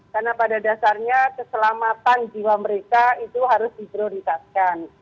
karena pada dasarnya keselamatan jiwa mereka itu harus di prioritaskan